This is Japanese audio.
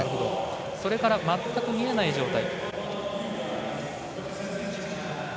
それから全く見えない状態。